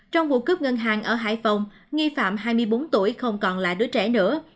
trong vụ cướp ngân hàng ở hải phòng nghi phạm hai mươi bốn tuổi không còn là đứa trẻ nữa